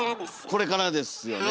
これからです。